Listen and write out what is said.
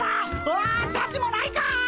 あ！だしもないか！